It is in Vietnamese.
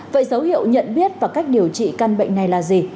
vậy dấu hiệu nhận biết và cách điều trị căn bệnh này là gì